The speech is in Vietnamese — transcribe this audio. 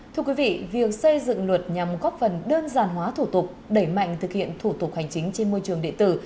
thưa quý vị việc xây dựng luật nhằm góp phần đơn giản hóa thủ tục đẩy mạnh thực hiện thủ tục hành chính trên môi trường địa tử